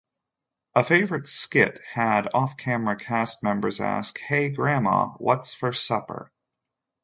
A favorite skit had off-camera cast members ask, Hey Grandpa, what's for supper?